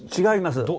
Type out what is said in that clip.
違います。